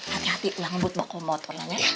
hati hati ulang but boku motornya ya